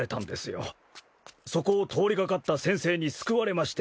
そこを通り掛かった先生に救われまして。